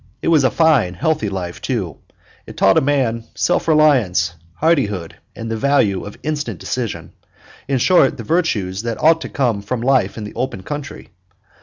It was a fine, healthy life, too; it taught a man self reliance, hardihood, and the value of instant decision in short, the virtues that ought to come from life in the open country.